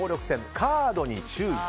カードに注意。